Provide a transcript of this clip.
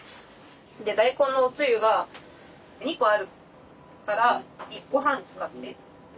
大根のおつゆが２個あるから１個半使って。